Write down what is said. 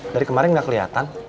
dari kemarin gak keliatan